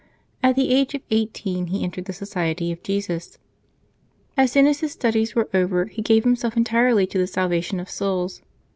At the age of eighteen he entered the Society of Jesus. As soon as his studies were over, he gave himself entirely to the salvation of souls.